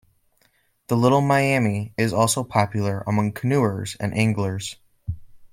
The Little Miami is also popular among canoers and anglers.